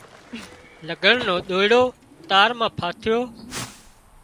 لگھڙ نو ۮوئيڙو تار مان ڦاسيو